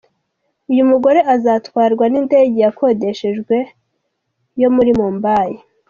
Uyu mugore azatwarwa n'indege yakodeshejwe yo muri Mumbai.